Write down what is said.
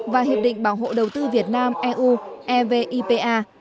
và hiệp định bảo hộ đầu tư việt nam eu evipa